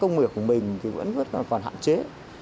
thương hiệu kiểu dáng công nghiệp của mình vẫn còn hạn chế